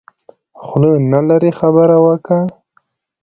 خوله نلرې خبره وکه.